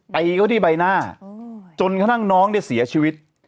ตีเขาที่ใบหน้าจนกระทั่งน้องเนี่ยเสียชีวิต